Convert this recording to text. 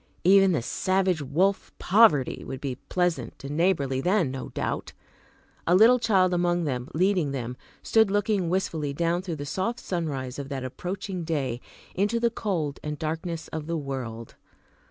Even the savage wolf Poverty would be pleasant and neighborly then, no doubt! A Little Child among them, leading them, stood looking wistfully down through the soft sunrise of that approaching day, into the cold and darkness of the world.